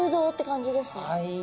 はい。